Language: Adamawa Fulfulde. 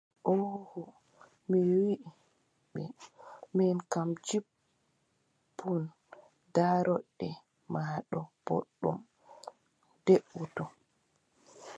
Ooho mi wii ɓe min kam, jippun daarooɗe ma ɗo booɗɗum, deʼutu.